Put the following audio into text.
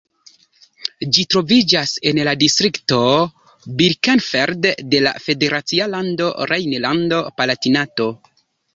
Ĝi troviĝas en la distrikto Birkenfeld de la federacia lando Rejnlando-Palatinato.